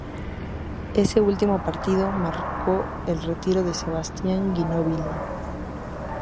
Ese último partido marcó el retiro de Sebastián Ginóbili.